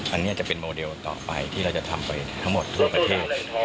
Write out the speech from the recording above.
อันนี้จะเป็นโมเดลต่อไปที่เราจะทำไปทั้งหมดทั่วประเทศ